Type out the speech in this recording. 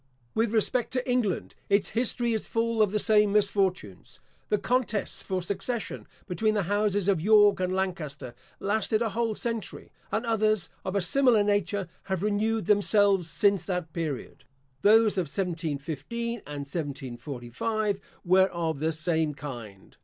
With respect to England, its history is full of the same misfortunes. The contests for succession between the houses of York and Lancaster lasted a whole century; and others of a similar nature have renewed themselves since that period. Those of 1715 and 1745 were of the same kind.